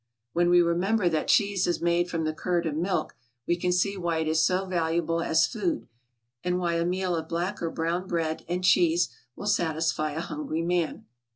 When we remember that cheese is made from the curd of milk we can see why it is so valuable as food, and why a meal of black or brown bread and cheese will satisfy a hungry man.